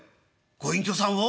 「ご隠居さんを？